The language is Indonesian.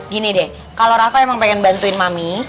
gini deh kalau rafa emang pengen bantuin mami